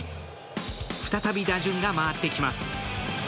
再び打順が回ってきます。